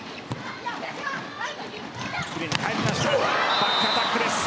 バックアタックです。